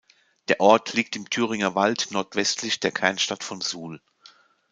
Der Ort liegt im Thüringer Wald nordwestlich der Kernstadt von Suhl.